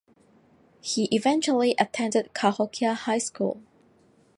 He eventually attended Cahokia High School.